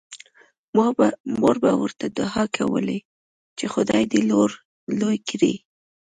مور به ورته دعاوې کولې چې خدای دې لوی کړي